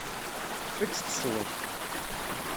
Ečč tesweḍ.